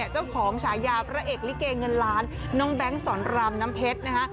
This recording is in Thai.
เจ้าของฉายาพระเอกริเกย์เงินล้านน้องแบงค์สอนรำน้ำเพชรนะฮะ